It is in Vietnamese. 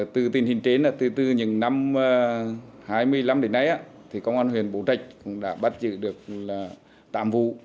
từ tình hình trên từ những năm hai mươi năm đến nay công an huyện bố trạch cũng đã bắt giữ được tạm vụ